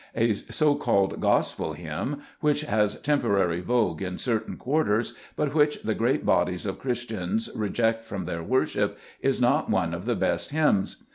A so called gospel hymn, which has temporary vogue in certain quarters, but which the great bodies of Christians reject from their worship, is not one of the best hymns.